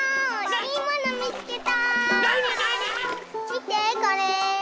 みてこれ！